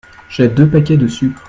J'ai deux paquets de sucre.